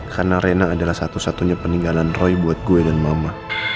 karena rena adalah satu satunya peninggalan roy buat gue dan mama